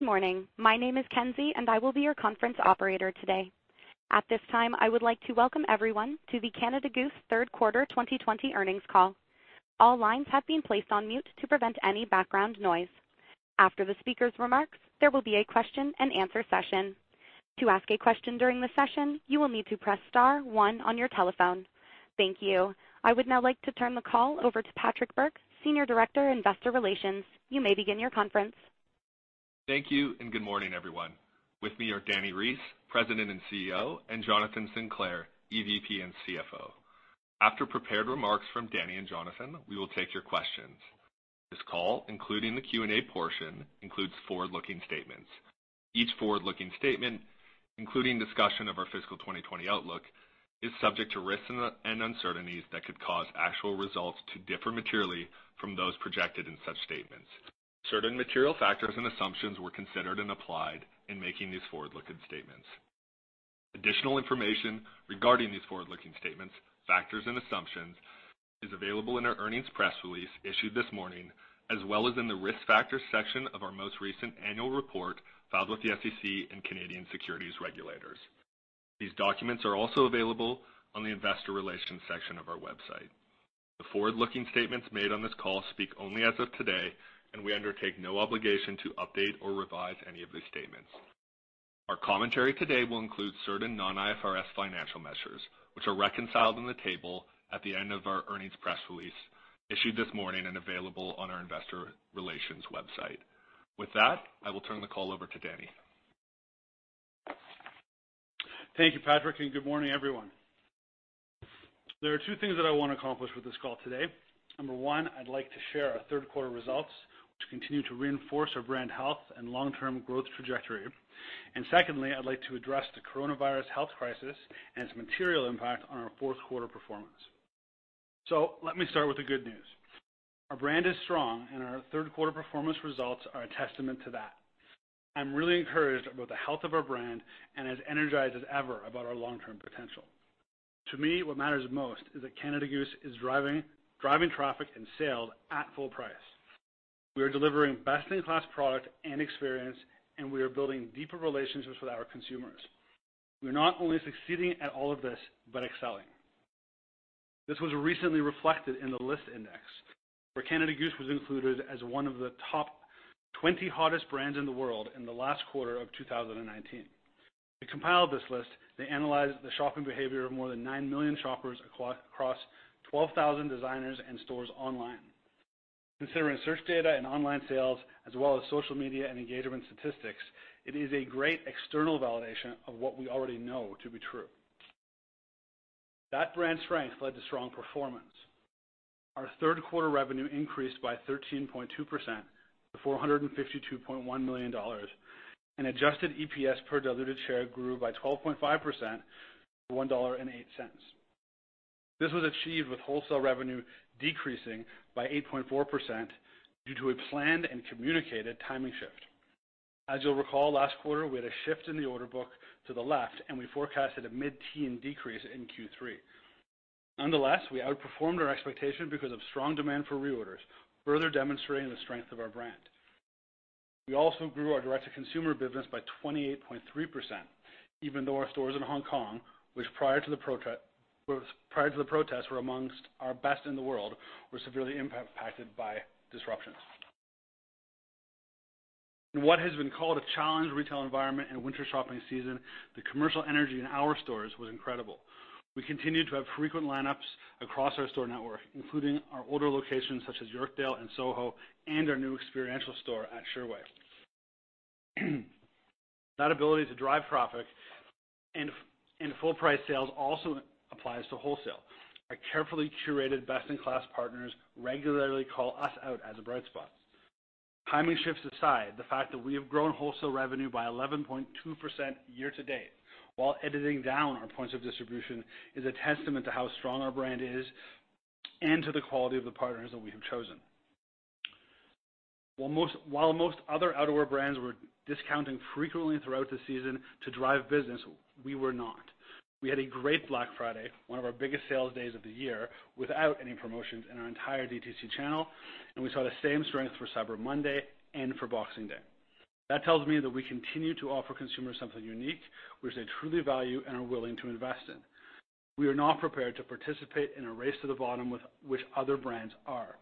Morning. My name is Kenzie, and I will be your conference operator today. At this time, I would like to welcome everyone to the Canada Goose Third Quarter 2020 Earnings Call. All lines have been placed on mute to prevent any background noise. After the speaker's remarks, there will be a question and answer session. To ask a question during the session, you will need to press star one on your telephone. Thank you. I would now like to turn the call over to Patrick Bourke, Senior Director, Investor Relations. You may begin your conference. Thank you, and good morning, everyone. With me are Dani Reiss, President and CEO, and Jonathan Sinclair, EVP and CFO. After prepared remarks from Dani and Jonathan, we will take your questions. This call, including the Q&A portion, includes forward-looking statements. Each forward-looking statement, including discussion of our fiscal 2020 outlook, is subject to risks and uncertainties that could cause actual results to differ materially from those projected in such statements. Certain material factors and assumptions were considered and applied in making these forward-looking statements. Additional information regarding these forward-looking statements, factors, and assumptions is available in our earnings press release issued this morning, as well as in the Risk Factors section of our most recent annual report filed with the SEC and Canadian securities regulators. These documents are also available on the Investor Relations section of our website. The forward-looking statements made on this call speak only as of today, and we undertake no obligation to update or revise any of these statements. Our commentary today will include certain non-IFRS financial measures, which are reconciled in the table at the end of our earnings press release issued this morning and available on our investor relations website. With that, I will turn the call over to Dani. Thank you, Patrick. Good morning, everyone. There are two things that I want to accomplish with this call today. Number one, I'd like to share our third quarter results, which continue to reinforce our brand health and long-term growth trajectory. Secondly, I'd like to address the coronavirus health crisis and its material impact on our fourth quarter performance. Let me start with the good news. Our brand is strong, and our third quarter performance results are a testament to that. I'm really encouraged about the health of our brand and as energized as ever about our long-term potential. To me, what matters most is that Canada Goose is driving traffic and sales at full price. We are delivering best-in-class product and experience, and we are building deeper relationships with our consumers. We are not only succeeding at all of this, but excelling. This was recently reflected in the Lyst Index, where Canada Goose was included as one of the top 20 hottest brands in the world in the last quarter of 2019. To compile this list, they analyzed the shopping behavior of more than nine million shoppers across 12,000 designers and stores online. Considering search data and online sales as well as social media and engagement statistics, it is a great external validation of what we already know to be true. That brand strength led to strong performance. Our third quarter revenue increased by 13.2% to 452.1 million dollars, and adjusted EPS per diluted share grew by 12.5% to 1.08. This was achieved with wholesale revenue decreasing by 8.4% due to a planned and communicated timing shift. As you'll recall, last quarter we had a shift in the order book to the left, and we forecasted a mid-teen decrease in Q3. Nonetheless, we outperformed our expectation because of strong demand for reorders, further demonstrating the strength of our brand. We also grew our direct-to-consumer business by 28.3%, even though our stores in Hong Kong, which prior to the protests were amongst our best in the world, were severely impacted by disruptions. In what has been called a challenged retail environment and winter shopping season, the commercial energy in our stores was incredible. We continued to have frequent lineups across our store network, including our older locations such as Yorkdale and Soho and our new experiential store at Sherway. That ability to drive traffic and full price sales also applies to wholesale. Our carefully curated best-in-class partners regularly call us out as a bright spot. Timing shifts aside, the fact that we have grown wholesale revenue by 11.2% year-to-date while editing down our points of distribution is a testament to how strong our brand is and to the quality of the partners that we have chosen. While most other outerwear brands were discounting frequently throughout the season to drive business, we were not. We had a great Black Friday, one of our biggest sales days of the year, without any promotions in our entire DTC channel, and we saw the same strength for Cyber Monday and for Boxing Day. That tells me that we continue to offer consumers something unique, which they truly value and are willing to invest in. We are not prepared to participate in a race to the bottom which other brands are.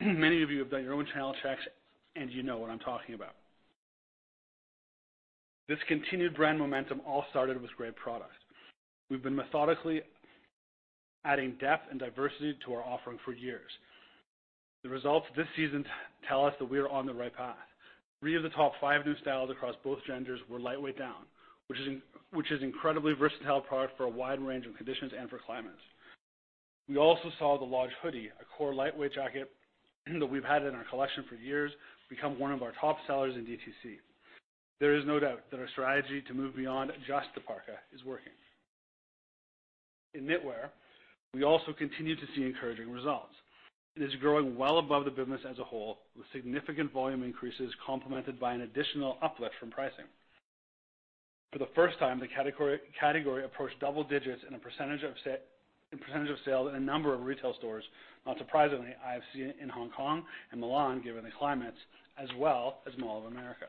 Many of you have done your own channel checks, and you know what I'm talking about. This continued brand momentum all started with great product. We've been methodically adding depth and diversity to our offering for years. The results this season tell us that we are on the right path. Three of the top five new styles across both genders were lightweight down, which is an incredibly versatile product for a wide range of conditions and for climates. We also saw the Lodge Hoody, a core lightweight jacket that we've had in our collection for years, become one of our top sellers in DTC. There is no doubt that our strategy to move beyond just the parka is working. In knitwear, we also continue to see encouraging results. It is growing well above the business as a whole, with significant volume increases complemented by an additional uplift from pricing. For the first time, the category approached double digits in percentage of sales in a number of retail stores, not surprisingly, IFC in Hong Kong and Milan, given the climates, as well as Mall of America.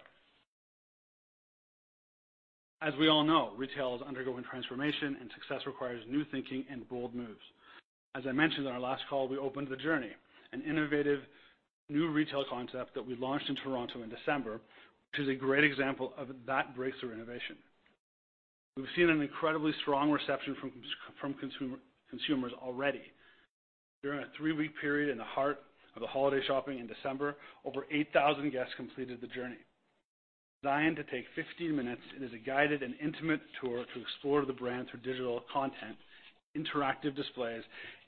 As we all know, retail is undergoing transformation, and success requires new thinking and bold moves. As I mentioned on our last call, we opened The Journey, an innovative new retail concept that we launched in Toronto in December, which is a great example of that breakthrough innovation. We've seen an incredibly strong reception from consumers already. During a three-week period in the heart of the holiday shopping in December, over 8,000 guests completed The Journey. Designed to take 15 minutes, it is a guided and intimate tour to explore the brand through digital content, interactive displays,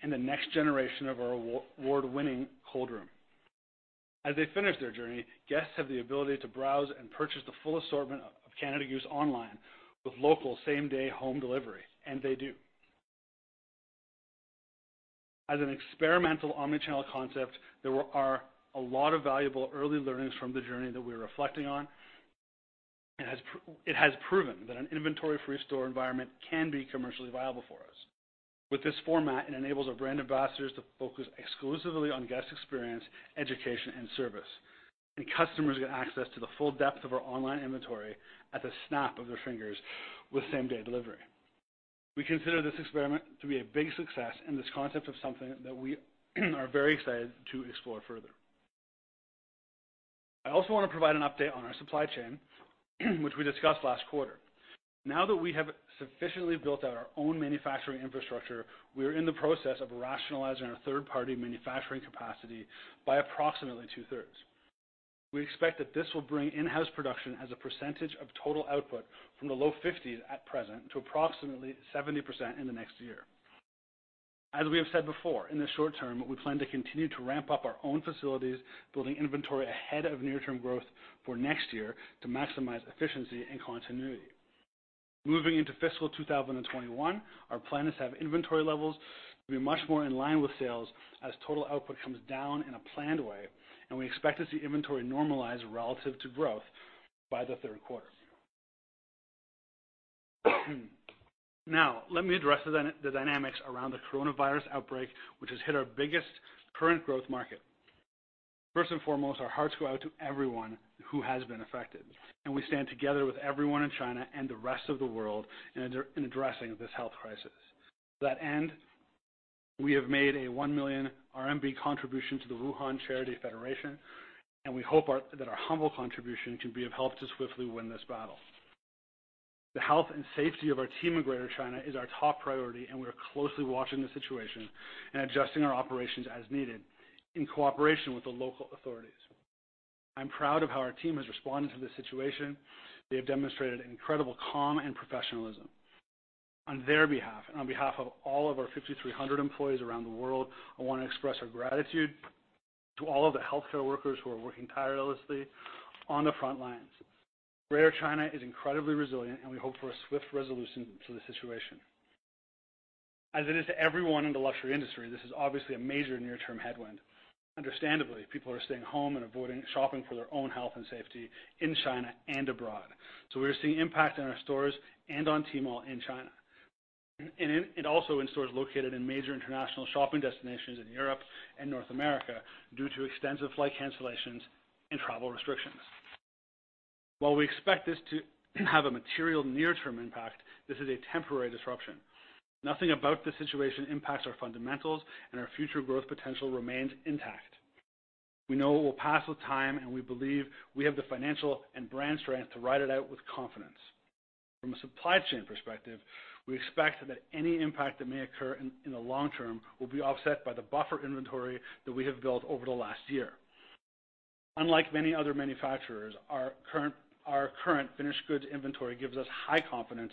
and the next generation of our award-winning cold room. As they finish their journey, guests have the ability to browse and purchase the full assortment of Canada Goose online with local same-day home delivery, and they do. As an experimental omni-channel concept, there are a lot of valuable early learnings from The Journey that we're reflecting on. It has proven that an inventory-free store environment can be commercially viable for us. With this format, it enables our brand ambassadors to focus exclusively on guest experience, education, and service, and customers get access to the full depth of our online inventory at the snap of their fingers with same-day delivery. We consider this experiment to be a big success, and this concept of something that we are very excited to explore further. I also want to provide an update on our supply chain, which we discussed last quarter. Now that we have sufficiently built out our own manufacturing infrastructure, we are in the process of rationalizing our third-party manufacturing capacity by approximately two-thirds. We expect that this will bring in-house production as a percentage of total output from the low 50s at present to approximately 70% in the next year. As we have said before, in the short term, we plan to continue to ramp up our own facilities, building inventory ahead of near-term growth for next year to maximize efficiency and continuity. Moving into fiscal 2021, our plan is to have inventory levels to be much more in line with sales as total output comes down in a planned way, and we expect to see inventory normalize relative to growth by the third quarter. Now, let me address the dynamics around the coronavirus outbreak, which has hit our biggest current growth market. First and foremost, our hearts go out to everyone who has been affected, and we stand together with everyone in China and the rest of the world in addressing this health crisis. To that end, we have made a 1 million RMB contribution to the Wuhan Charity Federation, and we hope that our humble contribution can be of help to swiftly win this battle. The health and safety of our team in Greater China is our top priority, and we are closely watching the situation and adjusting our operations as needed in cooperation with the local authorities. I'm proud of how our team has responded to this situation. They have demonstrated incredible calm and professionalism. On their behalf, and on behalf of all of our 5,300 employees around the world, I want to express our gratitude to all of the healthcare workers who are working tirelessly on the front lines. Greater China is incredibly resilient, and we hope for a swift resolution to the situation. As it is to everyone in the luxury industry, this is obviously a major near-term headwind. Understandably, people are staying home and avoiding shopping for their own health and safety in China and abroad. We are seeing impact on our stores and on Tmall in China, and also in stores located in major international shopping destinations in Europe and North America due to extensive flight cancellations and travel restrictions. While we expect this to have a material near-term impact, this is a temporary disruption. Nothing about this situation impacts our fundamentals, and our future growth potential remains intact. We know it will pass with time, and we believe we have the financial and brand strength to ride it out with confidence. From a supply chain perspective, we expect that any impact that may occur in the long term will be offset by the buffer inventory that we have built over the last year. Unlike many other manufacturers, our current finished goods inventory gives us high confidence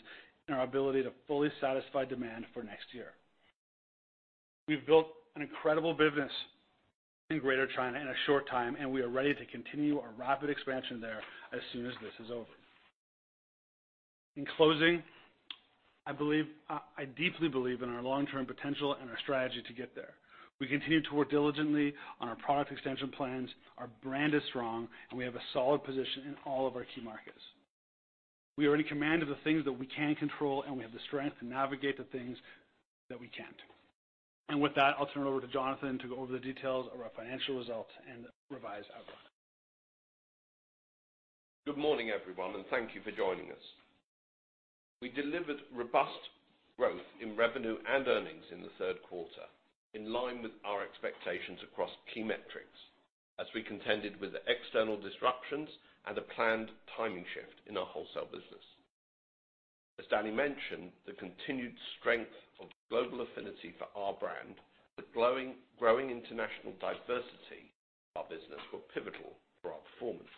in our ability to fully satisfy demand for next year. We've built an incredible business in Greater China in a short time, and we are ready to continue our rapid expansion there as soon as this is over. In closing, I deeply believe in our long-term potential and our strategy to get there. We continue to work diligently on our product extension plans. Our brand is strong, and we have a solid position in all of our key markets. We are in command of the things that we can control, and we have the strength to navigate the things that we can't. With that, I'll turn it over to Jonathan to go over the details of our financial results and revised outlook. Good morning, everyone, and thank you for joining us. We delivered robust growth in revenue and earnings in the third quarter, in line with our expectations across key metrics as we contended with external disruptions and a planned timing shift in our wholesale business. As Dani mentioned, the continued strength of global affinity for our brand, the growing international diversity of our business were pivotal for our performance.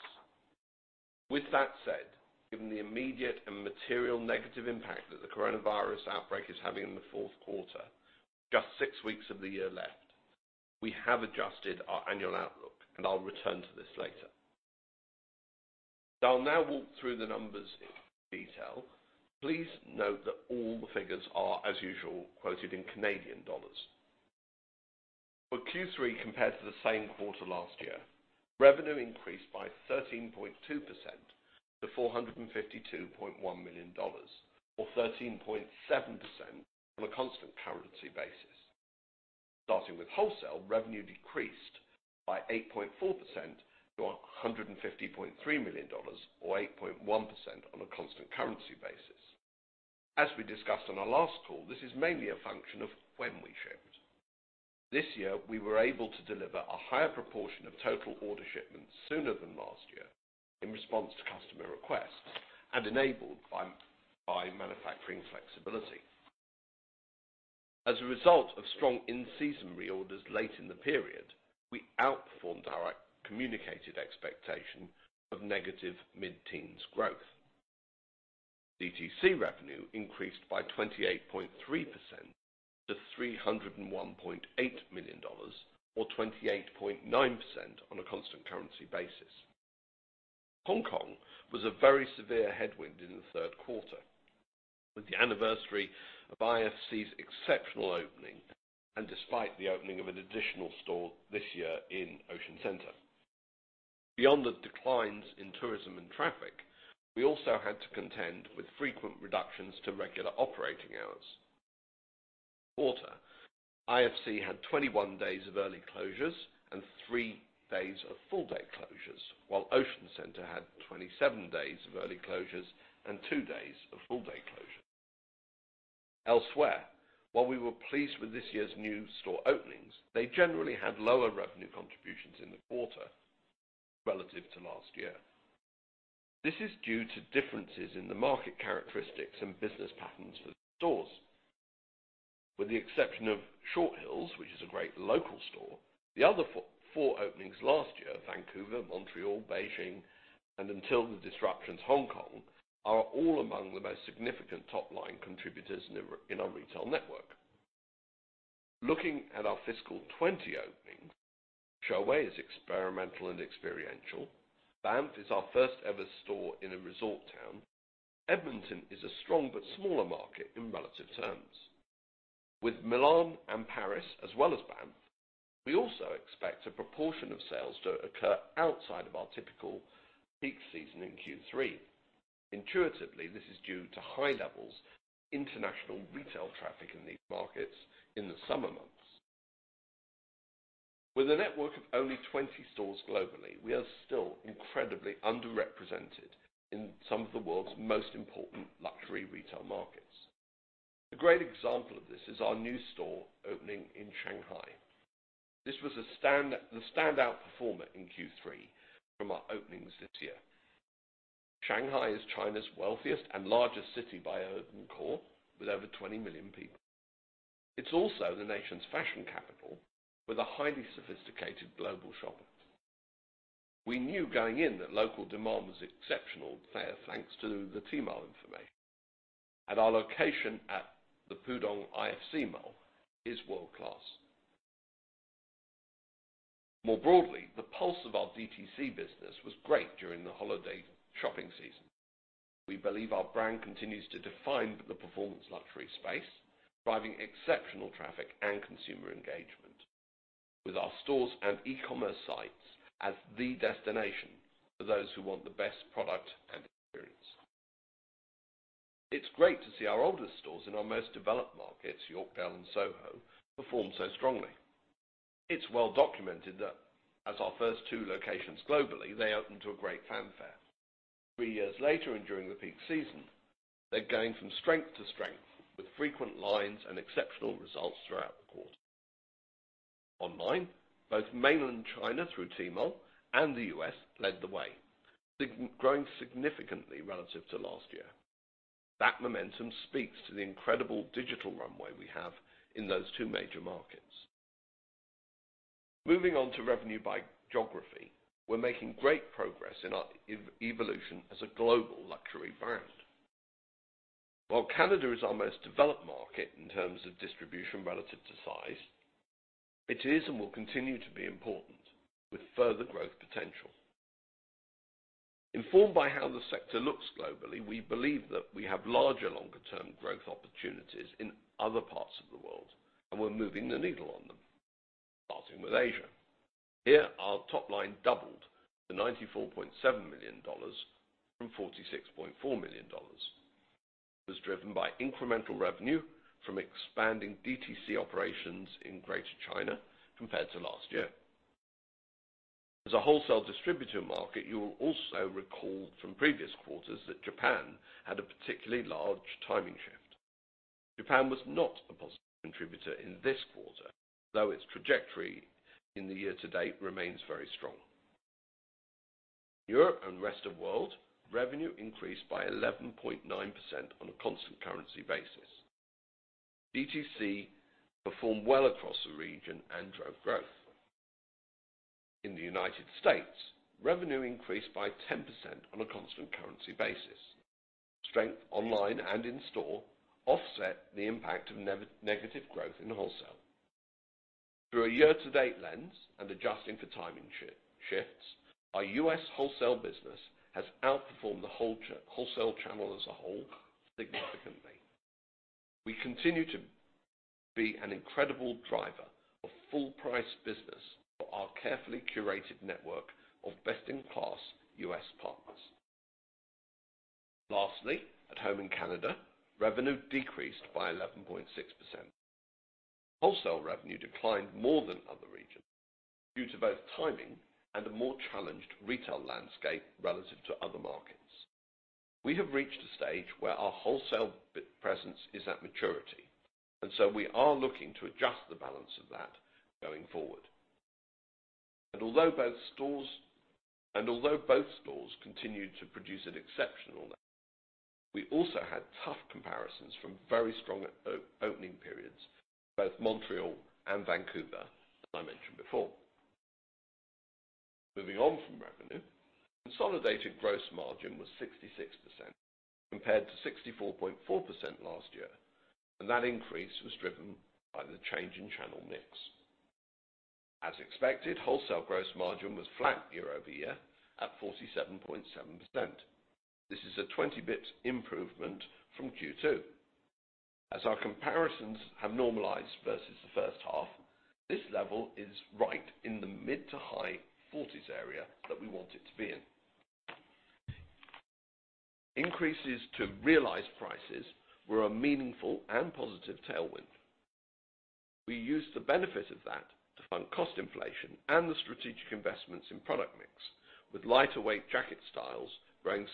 With that said, given the immediate and material negative impact that the coronavirus outbreak is having in the fourth quarter, just six weeks of the year left, we have adjusted our annual outlook, and I'll return to this later. I'll now walk through the numbers in detail. Please note that all the figures are, as usual, quoted in Canadian dollars. For Q3 compared to the same quarter last year, revenue increased by 13.2% to 452.1 million dollars, or 13.7% on a constant currency basis. Starting with wholesale, revenue decreased by 8.4% to 150.3 million dollars, or 8.1% on a constant currency basis. As we discussed on our last call, this is mainly a function of when we shipped. This year, we were able to deliver a higher proportion of total order shipments sooner than last year in response to customer requests, and enabled by manufacturing flexibility. As a result of strong in-season reorders late in the period, we outperformed our communicated expectation of negative mid-teens growth. DTC revenue increased by 28.3% to 301.8 million dollars, or 28.9% on a constant currency basis. Hong Kong was a very severe headwind in the third quarter, with the anniversary of IFC's exceptional opening and despite the opening of an additional store this year in Ocean Centre. Beyond the declines in tourism and traffic, we also had to contend with frequent reductions to regular operating hours. This quarter, IFC had 21 days of early closures and three days of full-day closures, while Ocean Centre had 27 days of early closures and two days of full-day closures. Elsewhere, while we were pleased with this year's new store openings, they generally had lower revenue contributions in the quarter relative to last year. This is due to differences in the market characteristics and business patterns for the stores. With the exception of Short Hills, which is a great local store, the other four openings last year, Vancouver, Montreal, Beijing, and until the disruptions, Hong Kong, are all among the most significant top-line contributors in our retail network. Looking at our fiscal 2020 openings, Sherway Gardens is experimental and experiential. Banff is our first-ever store in a resort town. Edmonton is a strong but smaller market in relative terms with Milan and Paris, as well as Banff, we also expect a proportion of sales to occur outside of our typical peak season in Q3. Intuitively, this is due to high levels of international retail traffic in these markets in the summer months. With a network of only 20 stores globally, we are still incredibly underrepresented in some of the world's most important luxury retail markets. A great example of this is our new store opening in Shanghai. This was the standout performer in Q3 from our openings this year. Shanghai is China's wealthiest and largest city by urban core, with over 20 million people. It's also the nation's fashion capital, with a highly sophisticated global shopper. We knew going in that local demand was exceptional there, thanks to the Tmall information. Our location at the Pudong IFC Mall is world-class more broadly, the pulse of our DTC business was great during the holiday shopping season. We believe our brand continues to define the performance luxury space, driving exceptional traffic and consumer engagement with our stores and e-commerce sites as the destination for those who want the best product and experience. It's great to see our oldest stores in our most developed markets, Yorkdale and Soho, perform so strongly. It's well documented that as our first two locations globally, they opened to a great fanfare. Three years later and during the peak season, they're going from strength to strength with frequent lines and exceptional results throughout the quarter. Online, both mainland China through Tmall and the U.S. led the way, growing significantly relative to last year. That momentum speaks to the incredible digital runway we have in those two major markets. Moving on to revenue by geography, we're making great progress in our evolution as a global luxury brand. While Canada is our most developed market in terms of distribution relative to size, it is and will continue to be important with further growth potential. Informed by how the sector looks globally, we believe that we have larger, longer-term growth opportunities in other parts of the world. We're moving the needle on them, starting with Asia. Here, our top-line doubled to 94.7 million dollars from 46.4 million dollars. It was driven by incremental revenue from expanding DTC operations in Greater China compared to last year. As a wholesale distributor market, you will also recall from previous quarters that Japan had a particularly large timing shift. Japan was not a positive contributor in this quarter, though its trajectory in the year-to-date remains very strong. In Europe and rest of world, revenue increased by 11.9% on a constant currency basis. DTC performed well across the region and drove growth. In the United States, revenue increased by 10% on a constant currency basis. Strength online and in store offset the impact of negative growth in wholesale. Through a year-to-date lens and adjusting for timing shifts, our U.S. wholesale business has outperformed the wholesale channel as a whole significantly. We continue to be an incredible driver of full price business for our carefully curated network of best-in-class U.S. partners. Lastly, at home in Canada, revenue decreased by 11.6%. Wholesale revenue declined more than other regions due to both timing and a more challenged retail landscape relative to other markets. We have reached a stage where our wholesale presence is at maturity, and so we are looking to adjust the balance of that going forward. Although both stores continued to produce an exceptional we also had tough comparisons from very strong opening periods in both Montreal and Vancouver, as I mentioned before. Moving on from revenue, consolidated gross margin was 66% compared to 64.4% last year, and that increase was driven by the change in channel mix. As expected, wholesale gross margin was flat year-over-year at 47.7%. This is a 20 basis points improvement from Q2. As our comparisons have normalized versus the first half, this level is right in the mid to high 40s area that we want it to be in. Increases to realized prices were a meaningful and positive tailwind. We used the benefit of that to fund cost inflation and the strategic investments in product mix with lightweight jacket styles growing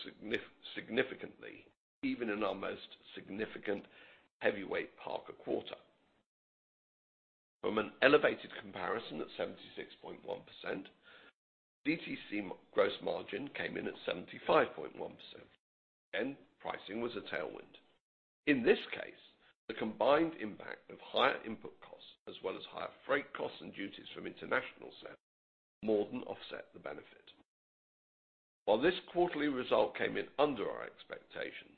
significantly even in our most significant heavyweight parka quarter from an elevated comparison at 76.1%, DTC gross margin came in at 75.1%, and pricing was a tailwind. In this case, the combined impact of higher input costs as well as higher freight costs and duties from international sales more than offset the benefit. While this quarterly result came in under our expectations,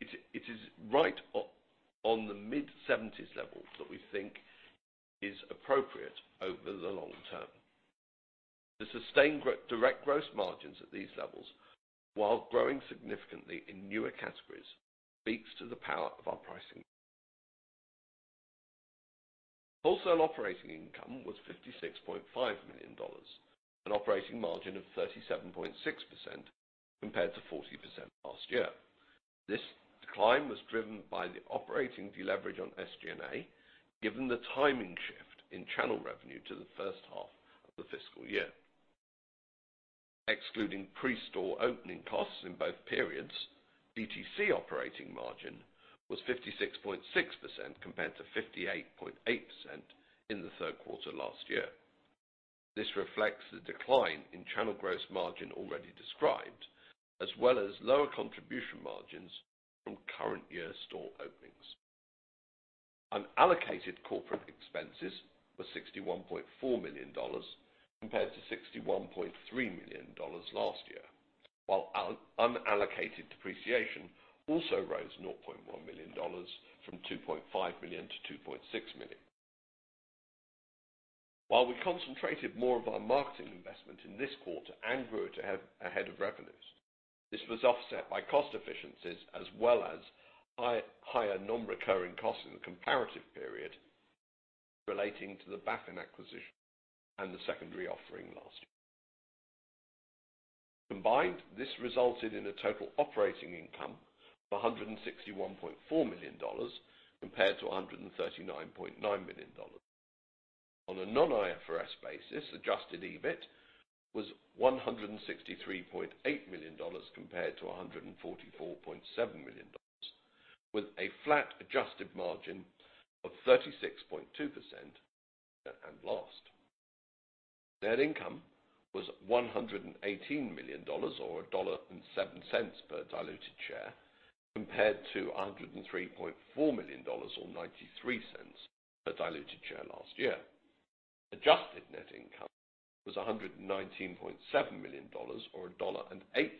it is right on the mid-70s level that we think is appropriate over the long term. To sustain direct gross margins at these levels while growing significantly in newer categories speaks to the power of our pricing. Wholesale operating income was 56.5 million dollars, an operating margin of 37.6% compared to 40% last year. This decline was driven by the operating deleverage on SG&A, given the timing shift in channel revenue to the first half of the fiscal year. Excluding pre-store opening costs in both periods, DTC operating margin was 56.6% compared to 58.8% in the third quarter last year. This reflects the decline in channel gross margin already described, as well as lower contribution margins from current year store openings. Unallocated corporate expenses were CAD 61.4 million compared to CAD 61.3 million last year, while unallocated depreciation also rose CAD 0.1 million from CAD 2.5 million-CAD 2.6 million. While we concentrated more of our marketing investment in this quarter and grew it ahead of revenues, this was offset by cost efficiencies as well as higher non-recurring costs in the comparative period relating to the Baffin acquisition and the secondary offering last year. Combined, this resulted in a total operating income of 161.4 million dollars compared to 139.9 million dollars. On a non-IFRS basis, adjusted EBIT was 163.8 million dollars compared to 144.7 million dollars, with a flat adjusted margin of 36.2% and last. Net income was CAD 118 million, CAD 1.07 per diluted share, compared to CAD 103.4 million or 0.93 per diluted share last year. Adjusted net income was CAD 119.7 million or CAD 1.08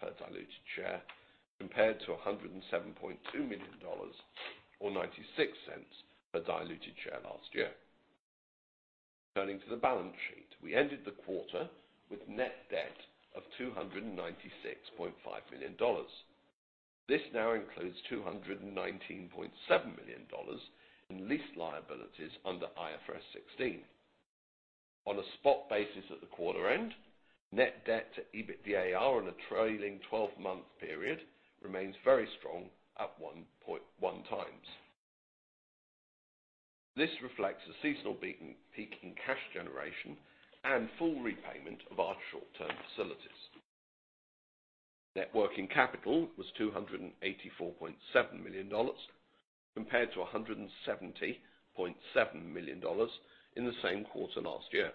per diluted share, compared to CAD 107.2 million or 0.96 per diluted share last year. Turning to the balance sheet, we ended the quarter with net debt of CAD 296.5 million. This now includes CAD 219.7 million in lease liabilities under IFRS 16. On a spot basis at the quarter end, net debt to EBITDA on a trailing 12-month period remains very strong at 1.1 times. This reflects a seasonal peak in cash generation and full repayment of our short-term facilities. Net working capital was CAD 284.7 million compared to CAD 170.7 million in the same quarter last year.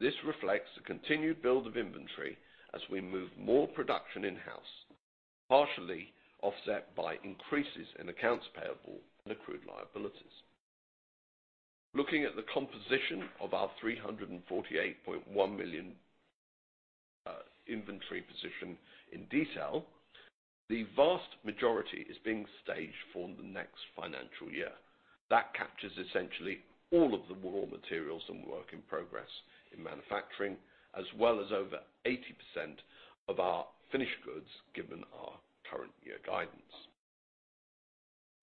This reflects the continued build of inventory as we move more production in-house, partially offset by increases in accounts payable and accrued liabilities. Looking at the composition of our 348.1 million inventory position in detail, the vast majority is being staged for the next financial year. That captures essentially all of the raw materials and work in progress in manufacturing, as well as over 80% of our finished goods given our current year guidance.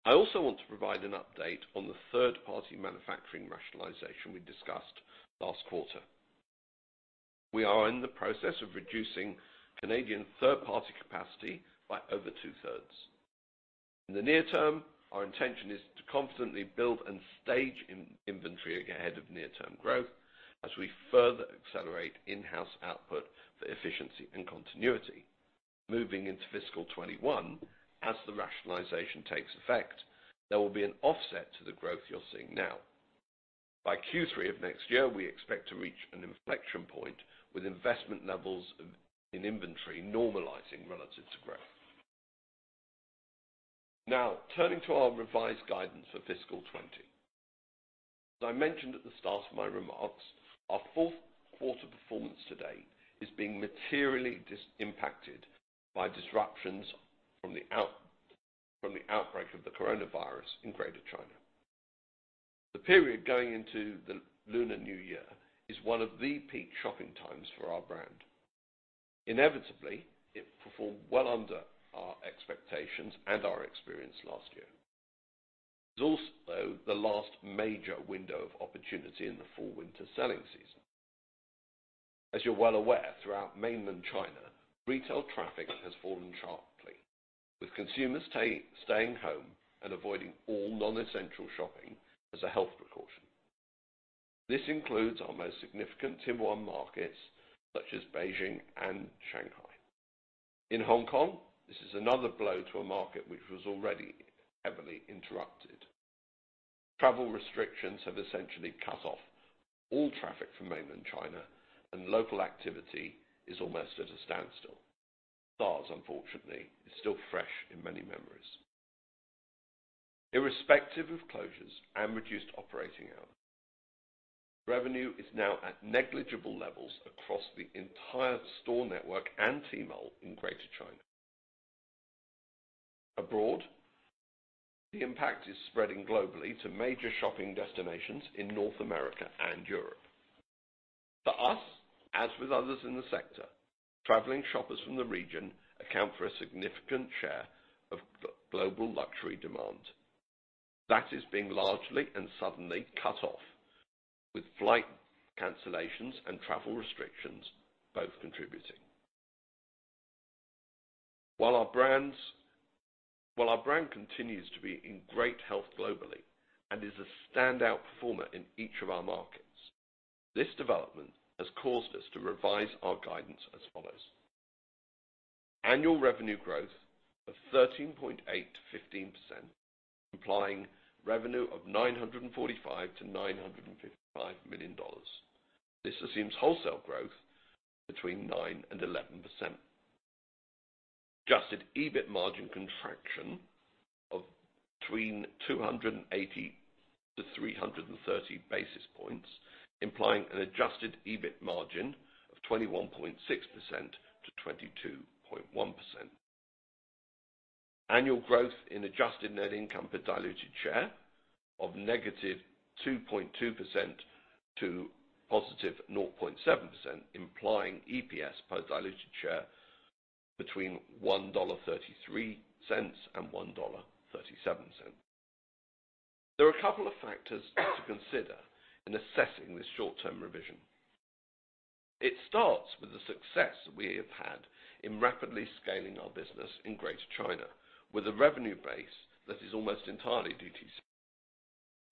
I also want to provide an update on the third-party manufacturing rationalization we discussed last quarter. We are in the process of reducing Canadian third-party capacity by over two-thirds. In the near term, our intention is to constantly build and stage inventory ahead of near-term growth as we further accelerate in-house output for efficiency and continuity. Moving into fiscal 2021, as the rationalization takes effect, there will be an offset to the growth you're seeing now. By Q3 of next year, we expect to reach an inflection point with investment levels in inventory normalizing relative to growth. Now turning to our revised guidance for fiscal 2020. As I mentioned at the start of my remarks, our fourth quarter performance today is being materially impacted by disruptions from the outbreak of the coronavirus in Greater China. The period going into the Lunar New Year is one of the peak shopping times for our brand. Inevitably, it performed well under our expectations and our experience last year. It is also the last major window of opportunity in the fall/winter selling season. As you're well aware, throughout mainland China, retail traffic has fallen sharply, with consumers staying home and avoiding all non-essential shopping as a health precaution. This includes our most significant Tier 1 markets such as Beijing and Shanghai. In Hong Kong, this is another blow to a market which was already heavily interrupted. Travel restrictions have essentially cut off all traffic from mainland China and local activity is almost at a standstill. SARS, unfortunately, is still fresh in many memories. Irrespective of closures and reduced operating hours, revenue is now at negligible levels across the entire store network and Tmall in Greater China. Abroad, the impact is spreading globally to major shopping destinations in North America and Europe. For us, as with others in the sector, traveling shoppers from the region account for a significant share of global luxury demand. That is being largely and suddenly cut off with flight cancellations and travel restrictions both contributing. While our brand continues to be in great health globally and is a standout performer in each of our markets, this development has caused us to revise our guidance as follows. Annual revenue growth of 13.8%-15%, implying revenue of 945 million-955 million dollars. This assumes wholesale growth between 9% and 11%. Adjusted EBIT margin contraction of between 280 to 330 basis points, implying an adjusted EBIT margin of 21.6%-22.1%. Annual growth in adjusted net income per diluted share of -2.2% to positive 0.7%, implying EPS per diluted share between 1.33 dollar and 1.37 dollar. There are a couple of factors to consider in assessing this short-term revision. It starts with the success we have had in rapidly scaling our business in Greater China with a revenue base that is almost entirely DTC.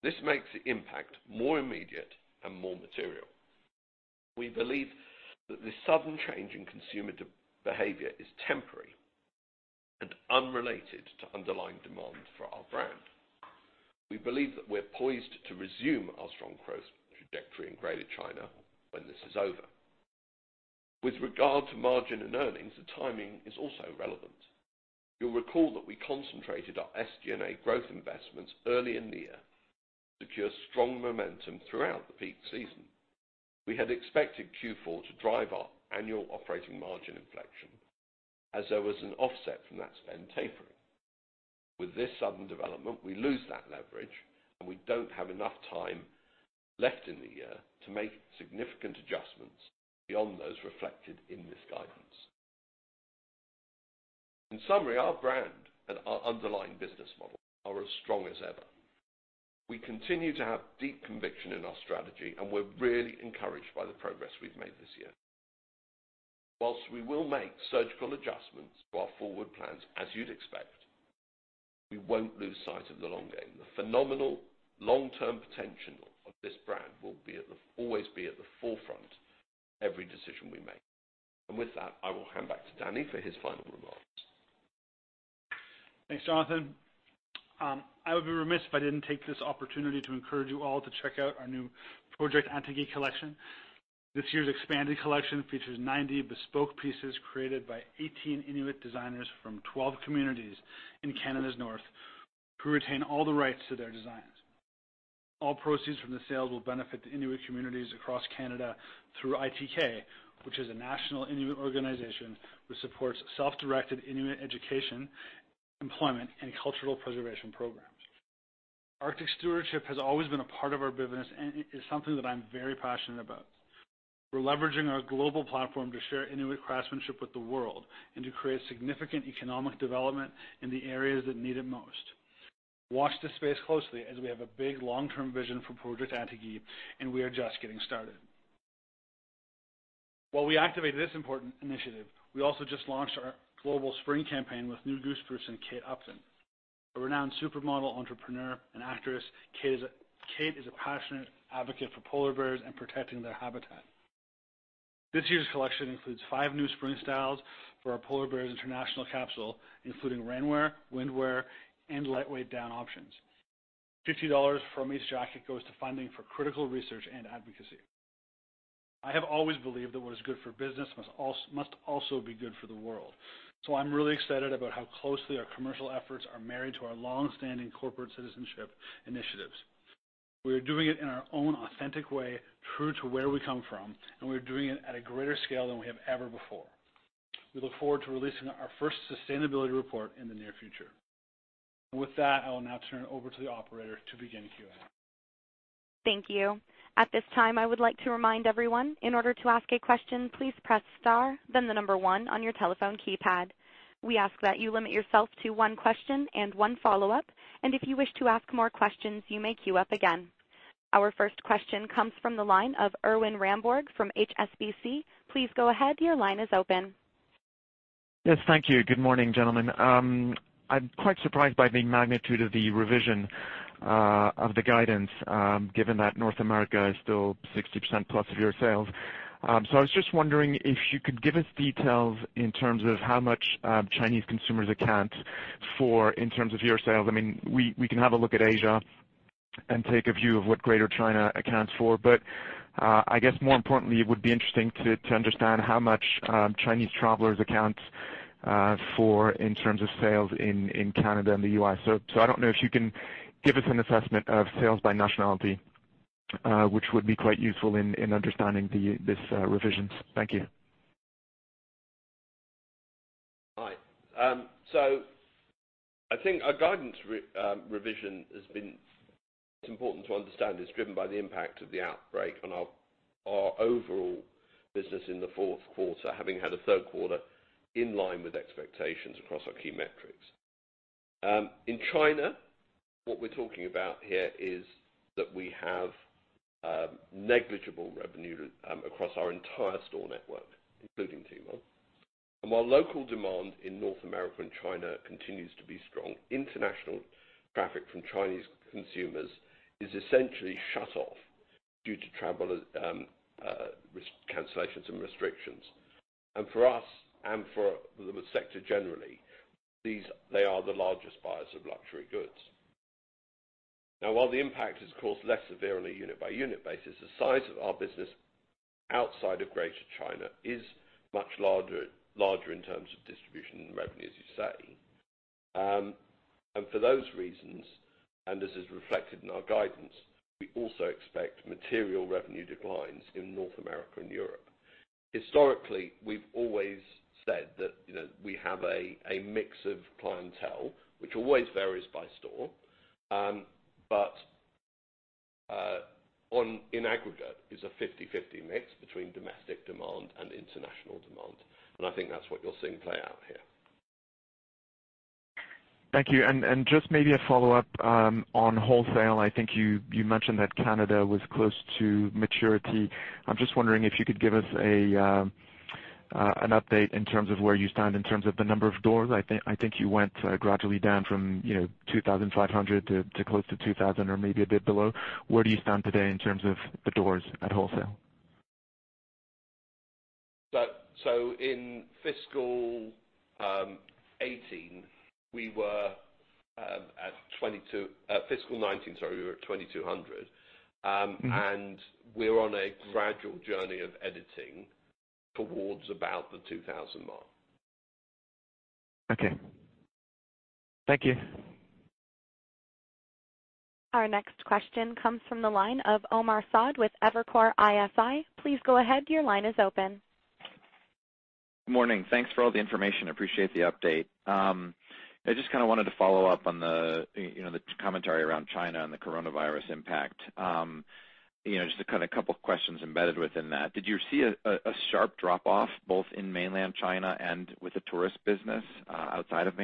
This makes the impact more immediate and more material. We believe that this sudden change in consumer behavior is temporary and unrelated to underlying demand for our brand. We believe that we're poised to resume our strong growth trajectory in Greater China when this is over. With regard to margin and earnings, the timing is also relevant. You'll recall that we concentrated our SG&A growth investments early in the year to secure strong momentum throughout the peak season. We had expected Q4 to drive our annual operating margin inflection as there was an offset from that spend tapering. With this sudden development, we lose that leverage, and we don't have enough time left in the year to make significant adjustments beyond those reflected in this guidance. In summary, our brand and our underlying business model are as strong as ever. We continue to have deep conviction in our strategy, and we're really encouraged by the progress we've made this year. Whilst we will make surgical adjustments to our forward plans, as you'd expect, we won't lose sight of the long game. The phenomenal long-term potential of this brand will always be at the forefront of every decision we make. With that, I will hand back to Dani for his final remarks. Thanks, Jonathan. I would be remiss if I didn't take this opportunity to encourage you all to check out our new Project Atigi collection. This year's expanded collection features 90 bespoke pieces created by 18 Inuit designers from 12 communities in Canada's North who retain all the rights to their designs. All proceeds from the sales will benefit the Inuit communities across Canada through ITK, which is a national Inuit organization that supports self-directed Inuit education, employment, and cultural preservation programs. Arctic stewardship has always been a part of our business and is something that I'm very passionate about. We're leveraging our global platform to share Inuit craftsmanship with the world and to create significant economic development in the areas that need it most. Watch this space closely as we have a big long-term vision for Project Atigi, and we are just getting started. While we activate this important initiative, we also just launched our global spring campaign with new Goose Person Kate Upton. A renowned supermodel, entrepreneur, and actress, Kate is a passionate advocate for polar bears and protecting their habitat. This year's collection includes five new spring styles for our Polar Bears International capsule, including rainwear, windwear, and lightweight down options. 50 dollars from each jacket goes to funding for critical research and advocacy. I have always believed that what is good for business must also be good for the world. I'm really excited about how closely our commercial efforts are married to our longstanding corporate citizenship initiatives. We are doing it in our own authentic way, true to where we come from, and we are doing it at a greater scale than we have ever before. We look forward to releasing our first sustainability report in the near future. With that, I will now turn it over to the operator to begin QA. Thank you. At this time, I would like to remind everyone, in order to ask a question, please press star, then the number one on your telephone keypad. We ask that you limit yourself to one question and one follow-up, and if you wish to ask more questions, you may queue up again. Our first question comes from the line of Erwan Rambourg from HSBC. Please go ahead, your line is open. Yes, thank you. Good morning, gentlemen. I am quite surprised by the magnitude of the revision of the guidance, given that North America is still 60% plus of your sales. I was just wondering if you could give us details in terms of how much Chinese consumers account for in terms of your sales. We can have a look at Asia and take a view of what Greater China accounts for, but I guess more importantly, it would be interesting to understand how much Chinese travelers account for in terms of sales in Canada and the U.S. I don't know if you can give us an assessment of sales by nationality, which would be quite useful in understanding these revisions. Thank you. Right. I think our guidance revision, it's important to understand, is driven by the impact of the outbreak on our overall business in the fourth quarter, having had a third quarter in line with expectations across our key metrics. In China, what we're talking about here is that we have negligible revenue across our entire store network, including Tmall. While local demand in North America and China continues to be strong, international traffic from Chinese consumers is essentially shut off due to travel cancellations and restrictions. For us and for the sector generally, they are the largest buyers of luxury goods. Now, while the impact is, of course, less severe on a unit-by-unit basis, the size of our business outside of Greater China is much larger in terms of distribution and revenue, as you say. For those reasons, and this is reflected in our guidance, we also expect material revenue declines in North America and Europe. Historically, we've always said that we have a mix of clientele, which always varies by store. In aggregate, it's a 50/50 mix between domestic demand and international demand, and I think that's what you're seeing play out here. Thank you. Just maybe a follow-up on wholesale. I think you mentioned that Canada was close to maturity. I am just wondering if you could give us an update in terms of where you stand in terms of the number of doors. I think you went gradually down from 2,500 to close to 2,000 or maybe a bit below. Where do you stand today in terms of the doors at wholesale? In fiscal 2018, we were at 22. Fiscal 2019, sorry, we were at 2,200. We're on a gradual journey of editing towards about the 2,000 mark. Okay. Thank you. Our next question comes from the line of Omar Saad with Evercore ISI. Please go ahead, your line is open. Good morning. Thanks for all the information. Appreciate the update. I just wanted to follow up on the commentary around China and the coronavirus impact. Just a couple of questions embedded within that. Did you see a sharp drop-off both in mainland China and with the tourist business outside of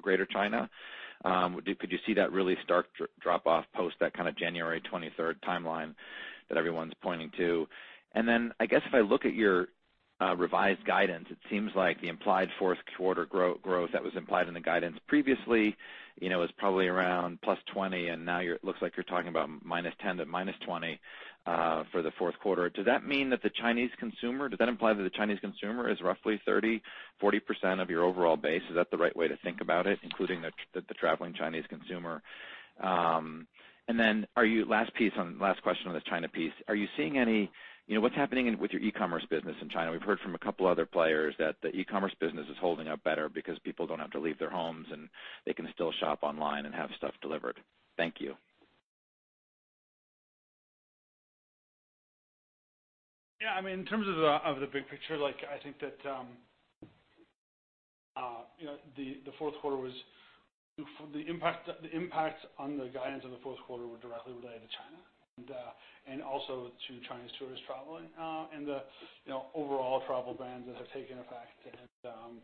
Greater China? Could you see that really stark drop-off post that January 23rd timeline that everyone's pointing to? I guess if I look at your revised guidance, it seems like the implied fourth quarter growth that was implied in the guidance previously, is probably around +20%, and now it looks like you're talking about -10% to -20% for the fourth quarter. Does that imply that the Chinese consumer is roughly 30%-40% of your overall base? Is that the right way to think about it, including the traveling Chinese consumer? Last question on the China piece. What's happening with your e-commerce business in China? We've heard from a couple of other players that the e-commerce business is holding up better because people don't have to leave their homes, and they can still shop online and have stuff delivered. Thank you. Yeah, in terms of the big picture, I think that the impact on the guidance of the fourth quarter was directly related to China, and also to Chinese tourists traveling, the overall travel bans that have taken effect, and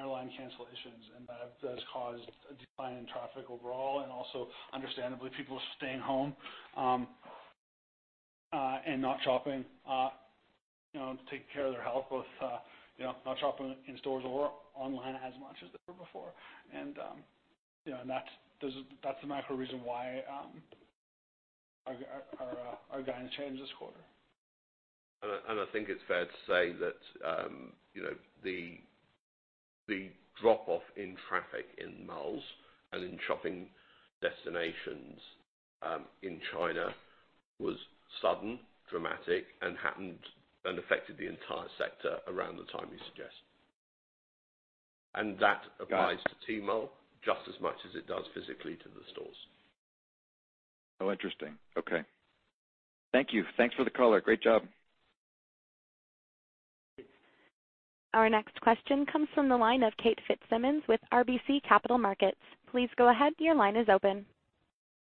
airline cancellations. That has caused a decline in traffic overall, and also understandably, people are staying home and not shopping, taking care of their health, both not shopping in stores or online as much as they were before. That's the macro reason why our guidance changed this quarter. I think it's fair to say that the drop-off in traffic in malls and in shopping destinations in China was sudden, dramatic, and affected the entire sector around the time you suggest. That applies to Tmall just as much as it does physically to the stores. How interesting. Okay. Thank you. Thanks for the color. Great job. Our next question comes from the line of Kate Fitzsimons with RBC Capital Markets. Please go ahead, your line is open.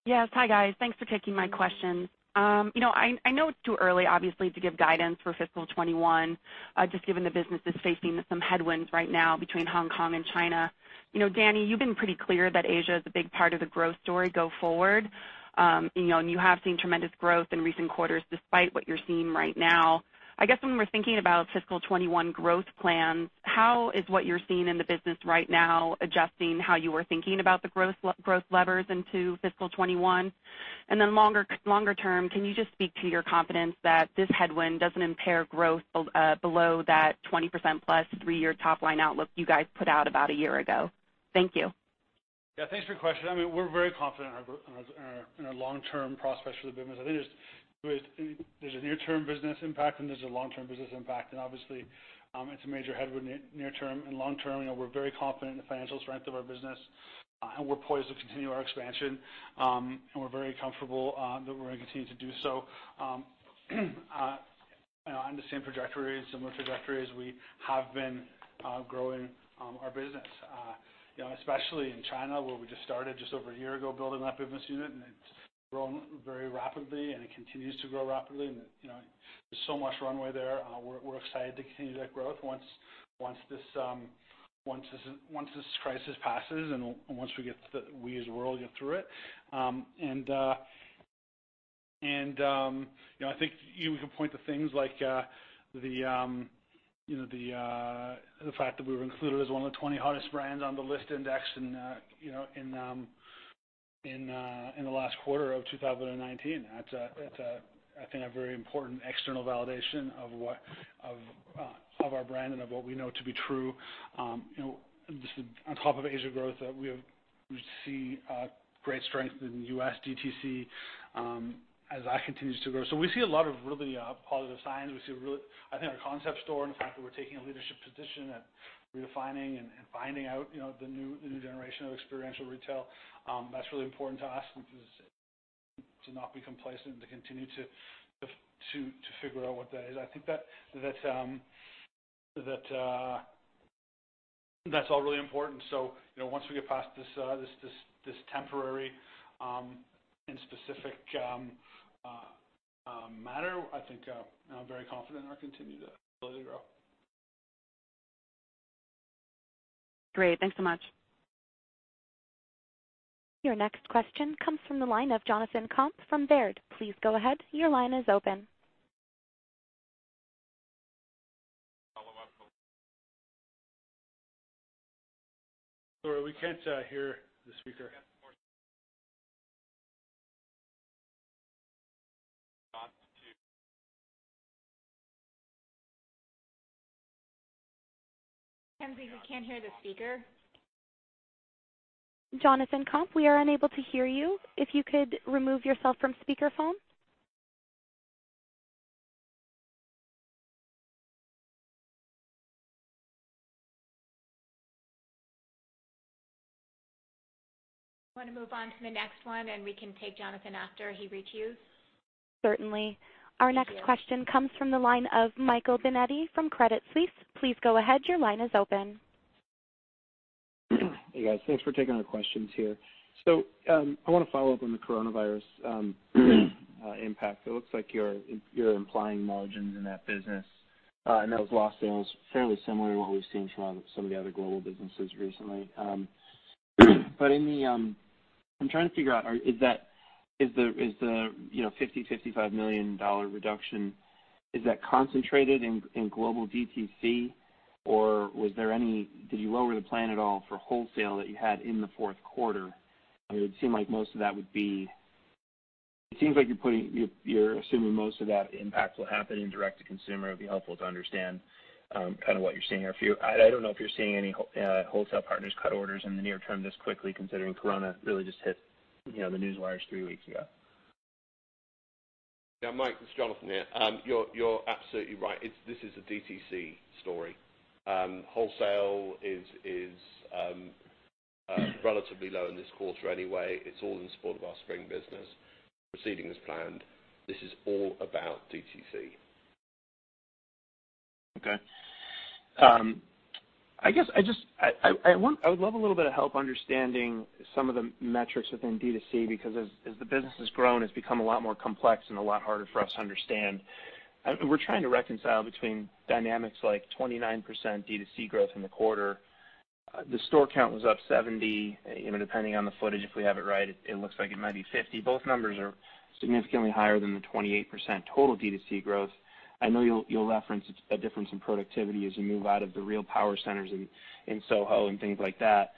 Yes. Hi, guys. Thanks for taking my question. I know it's too early, obviously, to give guidance for FY 2021, just given the business is facing some headwinds right now between Hong Kong and China. Dani, you've been pretty clear that Asia is a big part of the growth story go forward. You have seen tremendous growth in recent quarters despite what you're seeing right now. I guess when we're thinking about FY 2021 growth plans, how is what you're seeing in the business right now adjusting how you were thinking about the growth levers into FY 2021? Longer term, can you just speak to your confidence that this headwind doesn't impair growth below that 20%+ three-year top-line outlook you guys put out about a year ago? Thank you. Yeah. Thanks for your question. We're very confident in our long-term prospects for the business. I think there's a near-term business impact, and there's a long-term business impact. Obviously, it's a major headwind near term. Long term, we're very confident in the financial strength of our business, and we're poised to continue our expansion, and we're very comfortable that we're going to continue to do so on the same trajectory, similar trajectory as we have been growing our business. Especially in China, where we just started just over a year ago, building that business unit, and it's grown very rapidly, and it continues to grow rapidly, and there's so much runway there. We're excited to continue that growth once this crisis passes and once we as a world get through it. I think we can point to things like the fact that we were included as one of the 20 hottest brands on the Lyst Index in the last quarter of 2019. That's, I think, a very important external validation of our brand and of what we know to be true. On top of Asia growth, we see great strength in U.S. DTC as that continues to grow. We see a lot of really positive signs. I think our concept store, and the fact that we're taking a leadership position at redefining and finding out the new generation of experiential retail, that's really important to us to not be complacent and to continue to figure out what that is. I think that's all really important. Once we get past this temporary and specific matter, I think I'm very confident in our continued ability to grow. Great. Thanks so much. Your next question comes from the line of Jonathan Komp from Baird. Please go ahead. Your line is open. we can't hear the speaker. We can't hear the speaker. Jonathan Komp, we are unable to hear you. If you could remove yourself from speakerphone. Do you want to move on to the next one, and we can take Jonathan after he reaches you? Certainly. Our next question comes from the line of Michael Binetti from Credit Suisse. Please go ahead. Your line is open. Hey, guys. Thanks for taking our questions here. I want to follow up on the coronavirus impact. It looks like you're implying margins in that business, and those lost sales fairly similar to what we've seen from some of the other global businesses recently. I'm trying to figure out, is the 50 million-55 million dollar reduction, is that concentrated in global DTC, or did you lower the plan at all for wholesale that you had in the fourth quarter? It would seem like you're assuming most of that impact will happen in direct-to-consumer. It'd be helpful to understand what you're seeing there for you. I don't know if you're seeing any wholesale partners cut orders in the near term this quickly, considering corona really just hit the newswires three weeks ago. Yeah, Mike, this is Jonathan here. You're absolutely right. This is a DTC story. Wholesale is relatively low in this quarter anyway. It's all in support of our spring business proceeding as planned. This is all about DTC. Okay. I would love a little bit of help understanding some of the metrics within D2C, because as the business has grown, it's become a lot more complex and a lot harder for us to understand. We're trying to reconcile between dynamics like 29% D2C growth in the quarter. The store count was up 70, depending on the footage, if we have it right, it looks like it might be 50. Both numbers are significantly higher than the 28% total D2C growth. I know you'll reference a difference in productivity as you move out of the real power centers in Soho and things like that.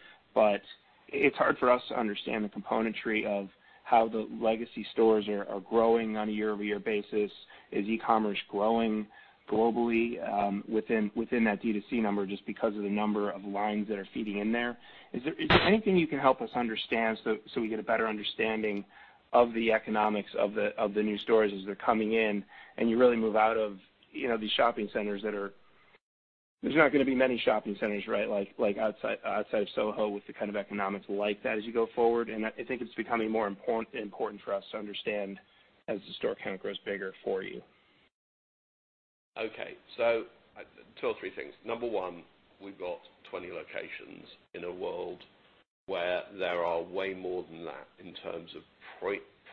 It's hard for us to understand the componentry of how the legacy stores are growing on a year-over-year basis. Is e-commerce growing globally within that D2C number just because of the number of lines that are feeding in there? Is there anything you can help us understand so we get a better understanding of the economics of the new stores as they're coming in and you really move out of these shopping centers that are? There's not going to be many shopping centers outside of Soho with the kind of economics like that as you go forward. I think it's becoming more important for us to understand as the store count grows bigger for you. Okay. Two or three things. Number one, we've got 20 locations in a world where there are way more than that in terms of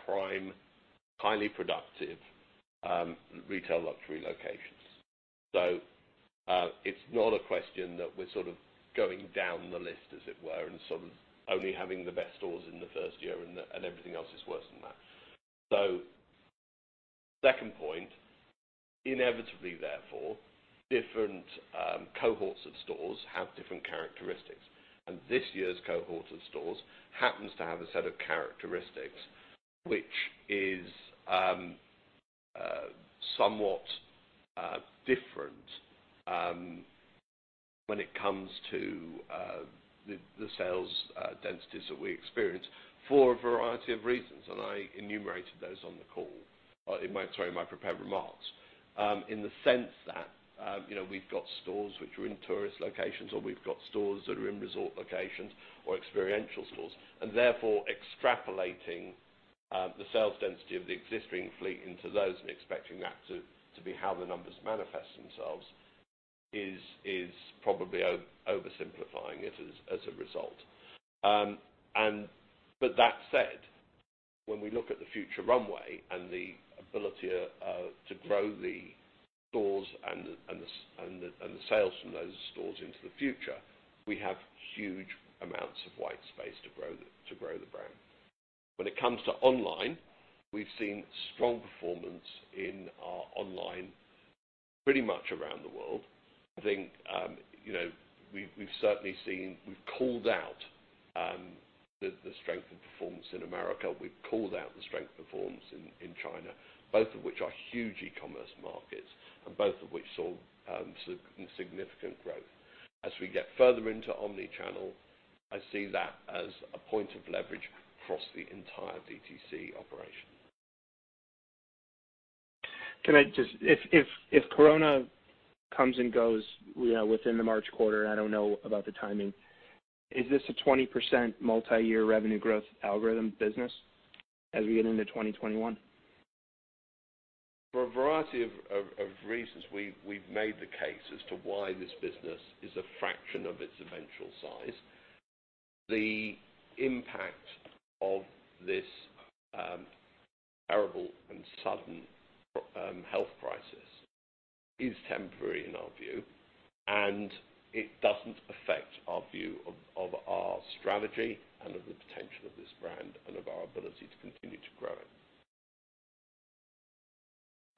prime, highly productive, retail luxury locations. It's not a question that we're sort of going down the list, as it were, and sort of only having the best stores in the first year and everything else is worse than that. Second point, inevitably therefore, different cohorts of stores have different characteristics, and this year's cohort of stores happens to have a set of characteristics which is somewhat different when it comes to the sales densities that we experience for a variety of reasons. I enumerated those on the call, sorry, in my prepared remarks. In the sense that we've got stores which are in tourist locations, or we've got stores that are in resort locations, or experiential stores, and therefore extrapolating the sales density of the existing fleet into those and expecting that to be how the numbers manifest themselves is probably oversimplifying it as a result. That said, when we look at the future runway and the ability to grow the stores and the sales from those stores into the future, we have huge amounts of white space to grow the brand. When it comes to online, we've seen strong performance in our online pretty much around the world. I think we've certainly seen, we've called out the strength of performance in America. We've called out the strength of performance in China, both of which are huge e-commerce markets, and both of which saw significant growth. As we get further into omni-channel, I see that as a point of leverage across the entire DTC operation. If corona comes and goes within the March quarter, I don't know about the timing, is this a 20% multi-year revenue growth algorithm business as we get into 2021? For a variety of reasons, we've made the case as to why this business is a fraction of its eventual size. The impact of this terrible and sudden health crisis is temporary in our view, and it doesn't affect our view of our strategy and of the potential of this brand and of our ability to continue to grow it.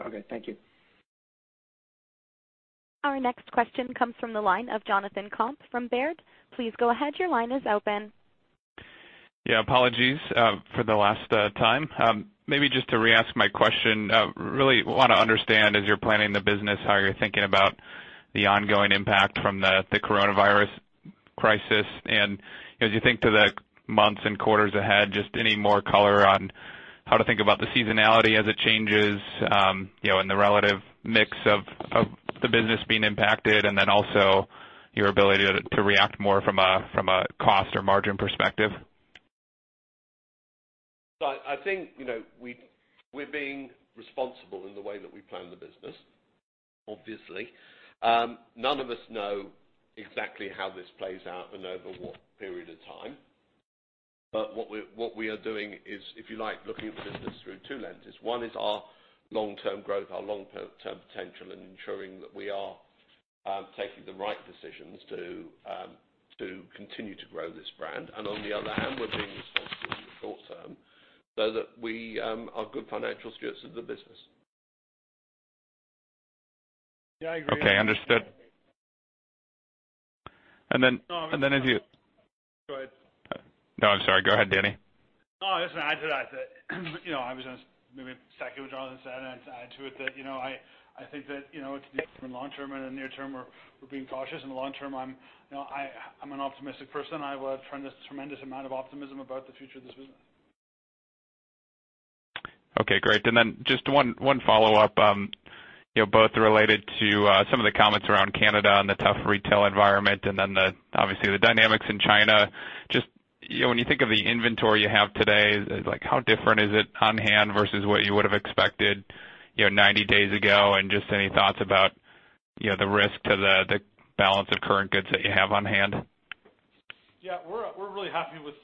Okay. Thank you. Our next question comes from the line of Jonathan Komp from Baird. Please go ahead. Your line is open. Yeah. Apologies for the last time. Maybe just to re-ask my question. Really want to understand as you're planning the business, how you're thinking about the ongoing impact from the coronavirus crisis. As you think to the months and quarters ahead, just any more color on how to think about the seasonality as it changes, and the relative mix of the business being impacted, and then also your ability to react more from a cost or margin perspective. I think we're being responsible in the way that we plan the business, obviously. None of us know exactly how this plays out and over what period of time. What we are doing is, if you like, looking at the business through two lenses. One is our long-term growth, our long-term potential, and ensuring that we are taking the right decisions to continue to grow this brand. On the other hand, we're being responsible in the short term so that we are good financial stewards of the business. Yeah, I agree Okay. Understood. Go ahead. No, I'm sorry. Go ahead, Dani. No, I was going to maybe second what Jonathan said and add to it that I think that in the long term and the near term, we're being cautious. In the long term, I'm an optimistic person. I have a tremendous amount of optimism about the future of this business. Okay, great. Just one follow-up, both related to some of the comments around Canada and the tough retail environment, obviously the dynamics in China. Just when you think of the inventory you have today, how different is it on-hand versus what you would have expected 90 days ago? Just any thoughts about the risk to the balance of current goods that you have on hand? Yeah. We're really happy with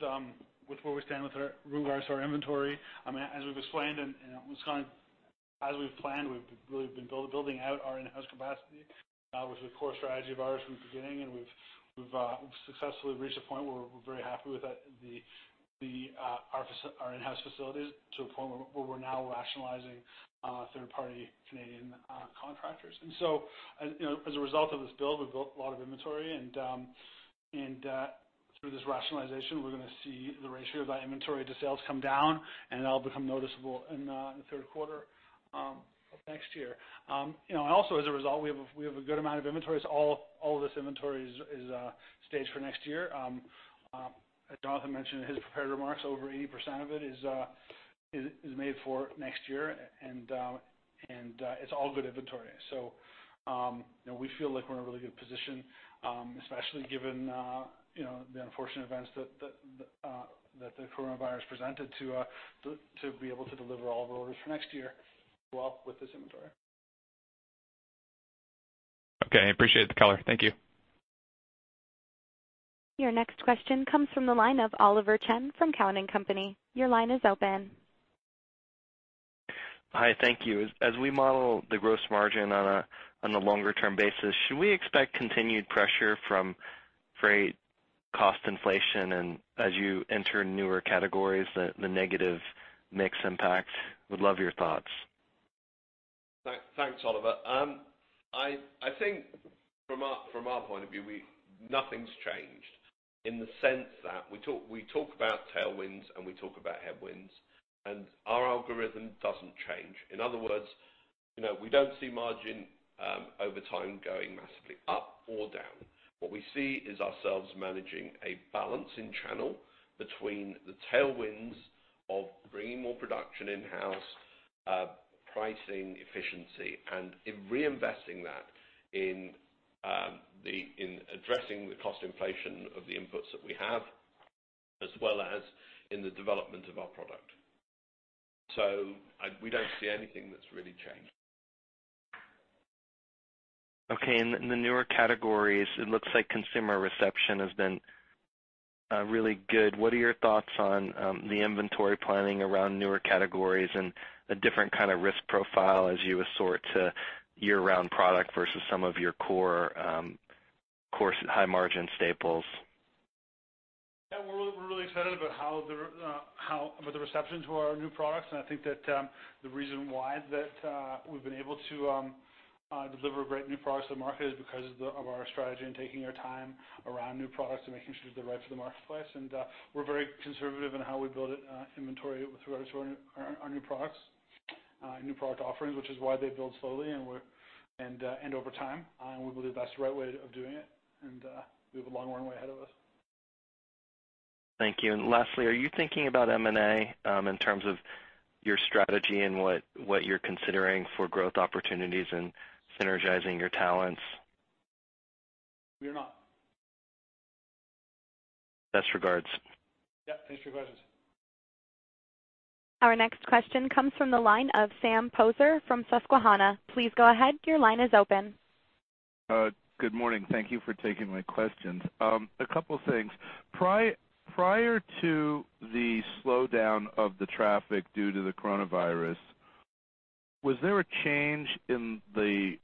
where we stand with regards to our inventory. As we've explained, as we've planned, we've really been building out our in-house capacity, which was a core strategy of ours from the beginning, and we've successfully reached a point where we're very happy with our in-house facilities to a point where we're now rationalizing third-party Canadian contractors. As a result of this build, we've built a lot of inventory, and through this rationalization, we're going to see the ratio of that inventory to sales come down, and it'll become noticeable in the third quarter of next year. Also, as a result, we have a good amount of inventory. All this inventory is staged for next year. As Jonathan mentioned in his prepared remarks, over 80% of it is made for next year, and it's all good inventory. We feel like we're in a really good position, especially given the unfortunate events that the coronavirus presented, to be able to deliver all of our orders for next year well with this inventory. Okay. I appreciate the color. Thank you. Your next question comes from the line of Oliver Chen from Cowen and Company. Your line is open. Hi, thank you. As we model the gross margin on a longer-term basis, should we expect continued pressure from freight cost inflation? As you enter newer categories, the negative mix impact? Would love your thoughts. Thanks, Oliver. I think from our point of view, nothing's changed in the sense that we talk about tailwinds, and we talk about headwinds, and our algorithm doesn't change. In other words, we don't see margin over time going massively up or down. What we see is ourselves managing a balance in channel between the tailwinds of bringing more production in-house, pricing efficiency, and in reinvesting that in addressing the cost inflation of the inputs that we have, as well as in the development of our product. We don't see anything that's really changed. Okay. In the newer categories, it looks like consumer reception has been really good. What are your thoughts on the inventory planning around newer categories and a different kind of risk profile as you assort to year-round product versus some of your core high-margin staples? Yeah. We're really excited about the reception to our new products, and I think that the reason why is that we've been able to deliver great new products to the market is because of our strategy and taking our time around new products and making sure they're right for the marketplace. We're very conservative in how we build inventory with regards to our new product offerings, which is why they build slowly and over time. We believe that's the right way of doing it, and we have a long runway ahead of us. Thank you. Lastly, are you thinking about M&A in terms of your strategy and what you're considering for growth opportunities and synergizing your talents? We are not. Best regards. Yeah. Thanks for your questions. Our next question comes from the line of Sam Poser from Susquehanna. Please go ahead. Your line is open. Good morning. Thank you for taking my questions. A couple things. Prior to the slowdown of the traffic due to the coronavirus, was there a change in the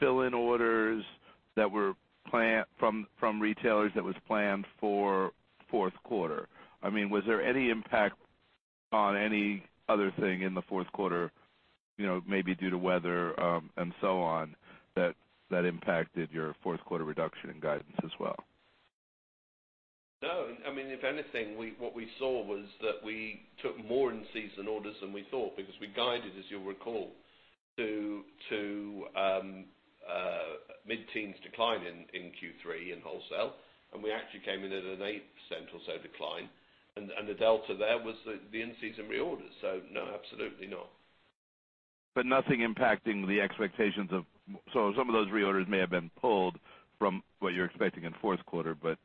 fill-in orders from retailers that was planned for fourth quarter? Was there any impact on any other thing in the fourth quarter, maybe due to weather and so on, that impacted your fourth quarter reduction in guidance as well? No. If anything, what we saw was that we took more in-season orders than we thought because we guided, as you'll recall, to a mid-teens decline in Q3 in wholesale, and we actually came in at an 8% or so decline, and the delta there was the in-season reorders. No, absolutely not. Nothing impacting the expectations. Some of those reorders may have been pulled from what you're expecting in fourth quarter, but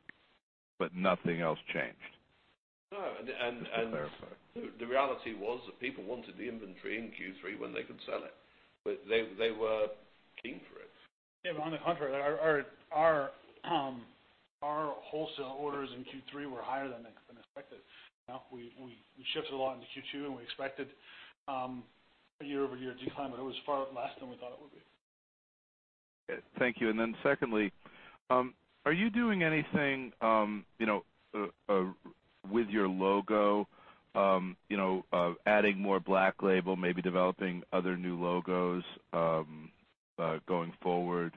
nothing else changed? No. Just to clarify. The reality was that people wanted the inventory in Q3 when they could sell it. They were keen for it. Yeah. On the contrary, our wholesale orders in Q3 were higher than expected. We shifted a lot into Q2, and we expected a year-over-year decline, but it was far less than we thought it would be. Thank you. Secondly, are you doing anything with your logo, adding more Black Label, maybe developing other new logos going forward?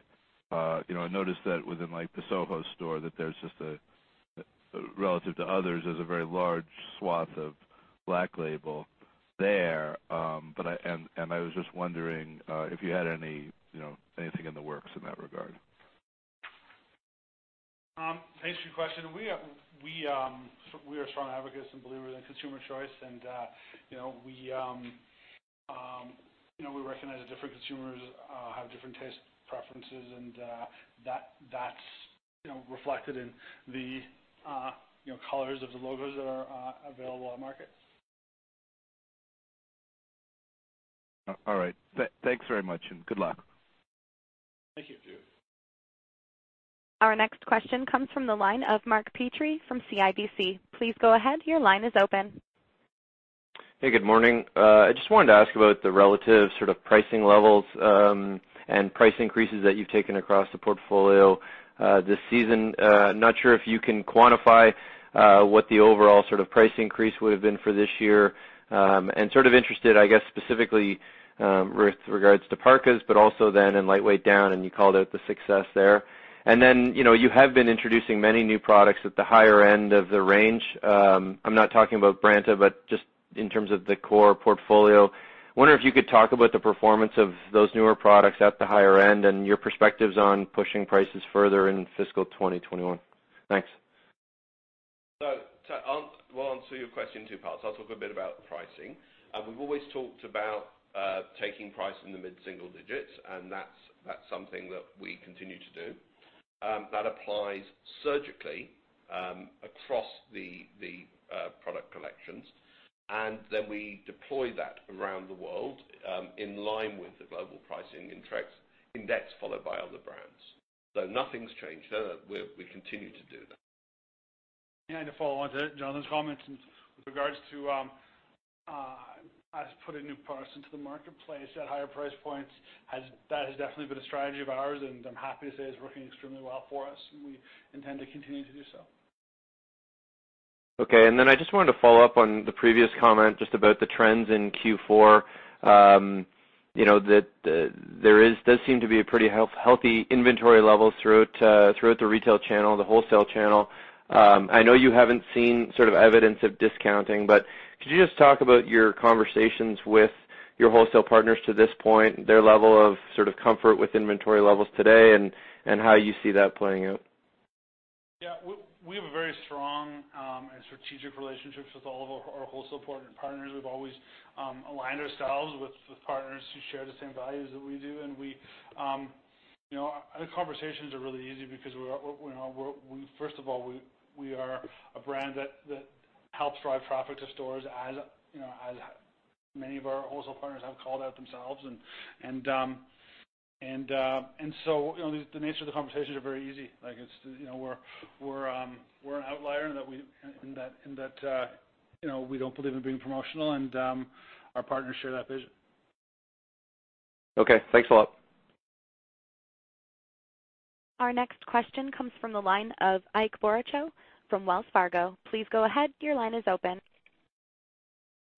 I noticed that within the Soho store that there's just, relative to others, there's a very large swath of Black Label there. I was just wondering if you had anything in the works in that regard. Thanks for your question. We are strong advocates and believers in consumer choice, and we recognize that different consumers have different taste preferences, and that's reflected in the colors of the logos that are available on the market. All right. Thanks very much, good luck. Thank you. Our next question comes from the line of Mark Petrie from CIBC. Please go ahead. Your line is open. Hey, good morning. I just wanted to ask about the relative pricing levels and price increases that you've taken across the portfolio this season. Not sure if you can quantify what the overall price increase would've been for this year. Sort of interested, I guess specifically with regards to parkas, but also then in lightweight down, and you called out the success there. Then, you have been introducing many new products at the higher end of the range. I'm not talking about Branta, but just in terms of the core portfolio. Wondering if you could talk about the performance of those newer products at the higher end and your perspectives on pushing prices further in fiscal 2021. Thanks. To well answer your question in two parts, I'll talk a bit about pricing. We've always talked about taking price in the mid-single digits, and that's something that we continue to do. That applies surgically across the product collections, and then we deploy that around the world in line with the global pricing index followed by other brands. Nothing's changed there. We continue to do that. To follow onto Jonathan's comments with regards to us putting new products into the marketplace at higher price points, that has definitely been a strategy of ours, and I'm happy to say it's working extremely well for us, and we intend to continue to do so. Okay, I just wanted to follow up on the previous comment just about the trends in Q4. There does seem to be a pretty healthy inventory level throughout the retail channel, the wholesale channel. I know you haven't seen evidence of discounting, could you just talk about your conversations with your wholesale partners to this point, their level of comfort with inventory levels today, and how you see that playing out? Yeah. We have a very strong and strategic relationships with all of our wholesale partners. We've always aligned ourselves with partners who share the same values that we do, and the conversations are really easy because first of all, we are a brand that helps drive traffic to stores, as many of our wholesale partners have called out themselves. The nature of the conversations are very easy. We're an outlier in that we don't believe in being promotional and our partners share that vision. Okay. Thanks a lot. Our next question comes from the line of Ike Boruchow from Wells Fargo. Please go ahead. Your line is open.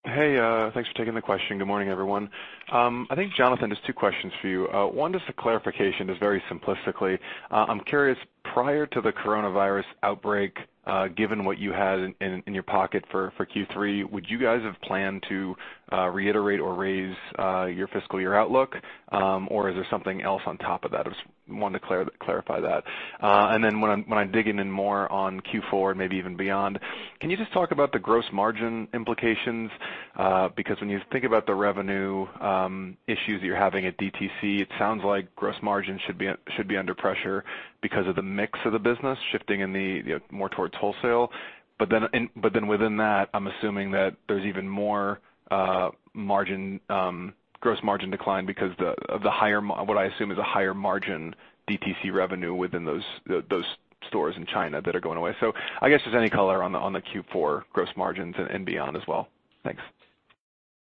Hey, thanks for taking the question. Good morning, everyone. I think, Jonathan, just two questions for you. One, just a clarification, just very simplistically. I'm curious, prior to the coronavirus outbreak, given what you had in your pocket for Q3, would you guys have planned to reiterate or raise your fiscal year outlook? Or is there something else on top of that? I just wanted to clarify that. When I'm digging in more on Q4 and maybe even beyond, can you just talk about the gross margin implications? Because when you think about the revenue issues that you're having at DTC, it sounds like gross margin should be under pressure because of the mix of the business shifting more towards wholesale. Within that, I'm assuming that there's even more gross margin decline because of what I assume is a higher margin DTC revenue within those stores in China that are going away. I guess just any color on the Q4 gross margins and beyond as well. Thanks.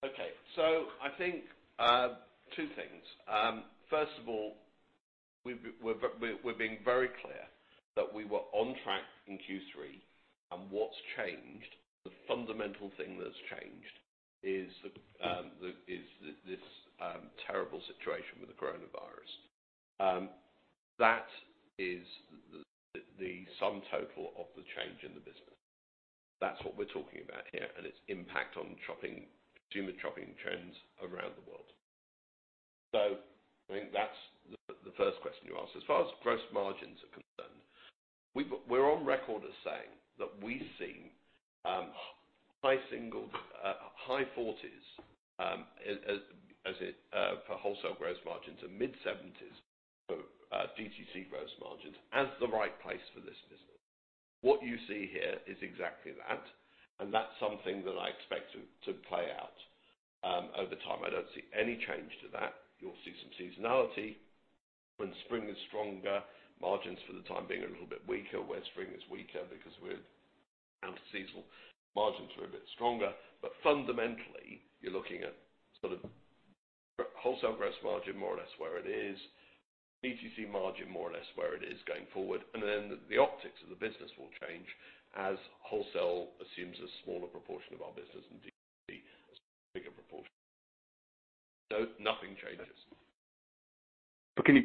Okay. I think two things. First of all, we're being very clear that we were on track in Q3, and what's changed, the fundamental thing that's changed, is this terrible situation with the coronavirus. That is the sum total of the change in the business. That's what we're talking about here, and its impact on consumer shopping trends around the world. I think that's the first question you asked. As far as gross margins are concerned, we're on record as saying that we see high 40s for wholesale gross margins and mid-70s for DTC gross margins as the right place for this business. What you see here is exactly that, and that's something that I expect to play out over time. I don't see any change to that. You'll see some seasonality when spring is stronger, margins for the time being are a little bit weaker. Where spring is weaker because we're out of seasonal, margins were a bit stronger. Fundamentally, you're looking at wholesale gross margin more or less where it is, DTC margin more or less where it is going forward. The optics of the business will change as wholesale assumes a smaller proportion of our business and DTC assumes a bigger proportion. Nothing changes. Can you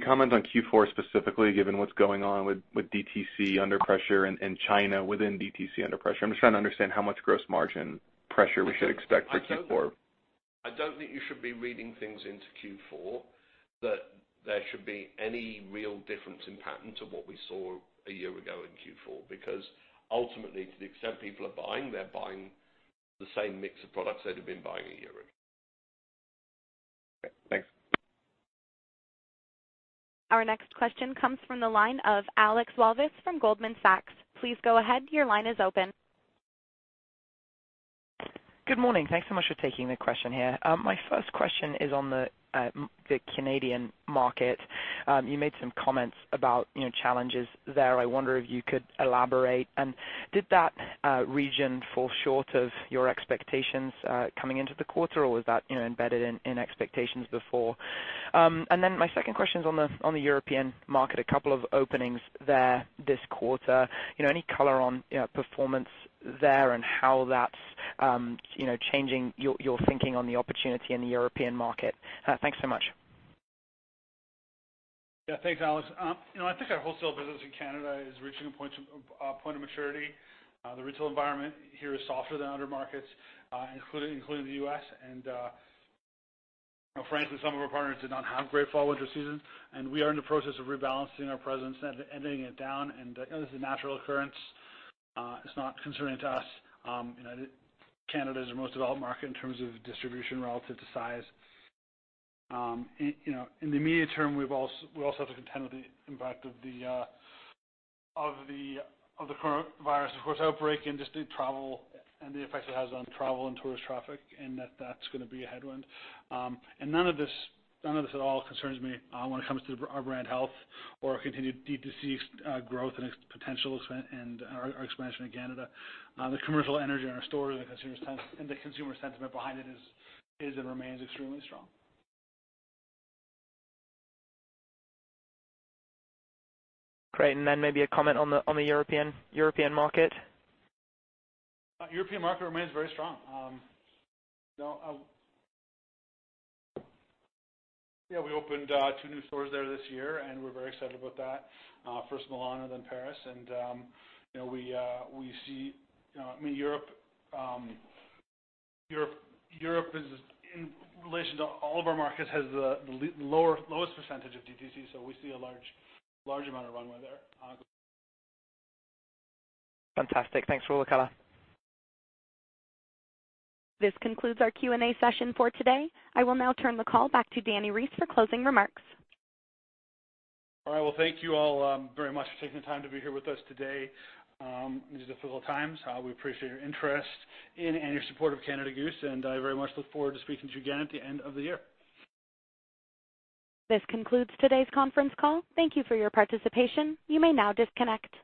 comment on Q4 specifically, given what's going on with DTC under pressure and China within DTC under pressure? I'm just trying to understand how much gross margin pressure we should expect for Q4. I don't think you should be reading things into Q4, that there should be any real difference in pattern to what we saw a year ago in Q4. Ultimately, to the extent people are buying, they're buying the same mix of products they'd have been buying a year ago. Okay, thanks. Our next question comes from the line of Alex Walvis from Goldman Sachs. Please go ahead. Your line is open. Good morning. Thanks so much for taking the question here. My first question is on the Canadian market. You made some comments about challenges there. I wonder if you could elaborate, and did that region fall short of your expectations coming into the quarter, or was that embedded in expectations before? My second question is on the European market, a couple of openings there this quarter. Any color on performance there and how that's changing your thinking on the opportunity in the European market? Thanks so much. Yeah. Thanks, Alex. I think our wholesale business in Canada is reaching a point of maturity. The retail environment here is softer than other markets, including the U.S. Frankly, some of our partners did not have great fall/winter seasons, and we are in the process of rebalancing our presence and ending it down. This is a natural occurrence. It's not concerning to us. Canada is our most developed market in terms of distribution relative to size. In the immediate term, we also have to contend with the impact of the coronavirus, of course, outbreak and just the travel and the effects it has on travel and tourist traffic, and that's going to be a headwind. None of this at all concerns me when it comes to our brand health or continued DTC growth and its potential and our expansion in Canada. The commercial energy in our stores and the consumer sentiment behind it is, and remains extremely strong. Great. Maybe a comment on the European market. European market remains very strong. We opened two new stores there this year, and we're very excited about that. First Milan and then Paris. We see Europe in relation to all of our markets has the lowest percentage of DTC, so we see a large amount of runway there. Fantastic. Thanks for all the color. This concludes our Q&A session for today. I will now turn the call back to Dani Reiss for closing remarks. All right. Well, thank you all very much for taking the time to be here with us today in these difficult times. We appreciate your interest in and your support of Canada Goose, and I very much look forward to speaking to you again at the end of the year. This concludes today's conference call. Thank you for your participation. You may now disconnect.